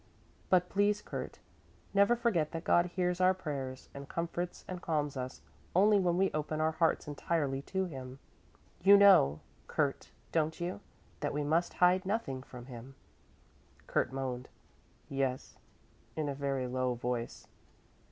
"But please, Kurt, never forget that God hears our prayers and comforts and calms us only when we open our hearts entirely to him. You know, Kurt, don't you, that we must hide nothing from him?" Kurt moaned "Yes" in a very low voice.